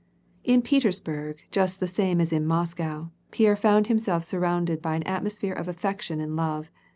In Petersburg, just the same as in Moscow, Pierre found himself surrounded by an atmosphere of affection and love.